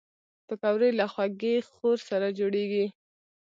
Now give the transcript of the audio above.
پکورې له خوږې خور سره جوړېږي